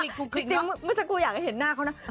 เมื่อกี้ฉันอยากจะเห็นหน้าเค้านะ